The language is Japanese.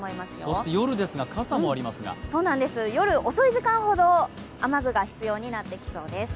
そして夜ですが、傘もありますが夜遅い時間ほど雨具が必要になってきそうです。